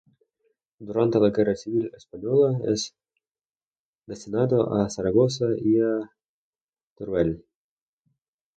Durante la guerra civil española es destinado a Zaragoza, y a Teruel.